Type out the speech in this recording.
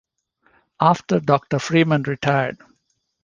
After Doctor Freeman retired.